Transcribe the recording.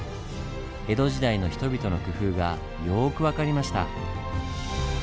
江戸時代の人々の工夫がよく分かりました。